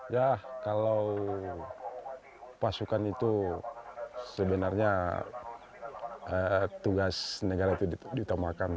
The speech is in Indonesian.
ya kalau pasukan itu sebenarnya tugas negara itu diutamakan